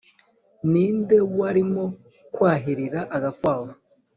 Ni nde warimo kwahirira agakwavu ?